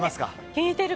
効いてる。